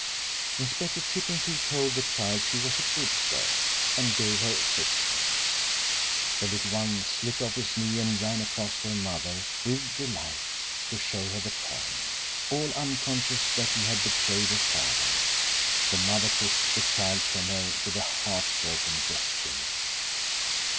Inspector Chippenfield told the child she was a good girl, and gave her sixpence. The little one slipped off his knee and ran across to her mother with delight, to show the coin; all unconscious that she had betrayed her father. The mother pushed the child from her with a heart broken gesture.